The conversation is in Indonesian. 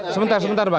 sebentar sebentar bang